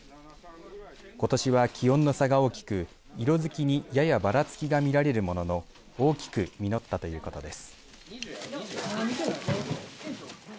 ことしは気温の差が大きく色づきにややばらつきが見られるものの大きく実ったということです。